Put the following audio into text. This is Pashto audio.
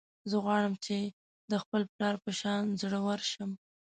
زه غواړم چې د خپل پلار په شان زړور شم